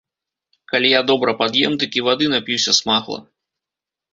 Калі я добра пад'ем, дык і вады нап'юся смагла.